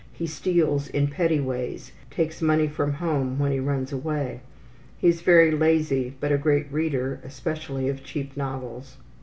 He steals in petty ways, takes money from home when he runs away. He is very lazy, but a great reader, especially of cheap novels.